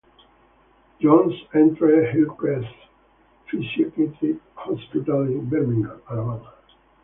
Jones entered Hillcrest Psychiatric Hospital in Birmingham, Alabama.